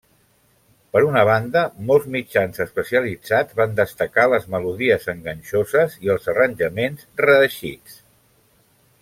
Per una banda, molts mitjans especialitzats van destacar les melodies enganxoses i els arranjaments reeixits.